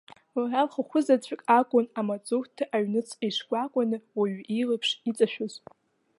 Лара лхахәы заҵәык акәын амаҵурҭа аҩныҵҟа ишкәакәаны уаҩы илаԥш иҵашәоз.